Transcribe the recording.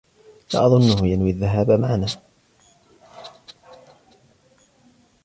لا أظنه ينوي الذهاب معنا.